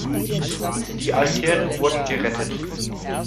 Die Altäre wurden gerettet.